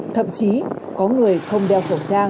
thậm chí có người không đeo khẩu trang